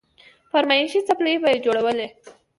فرمايشي څپلۍ به يې جوړولې.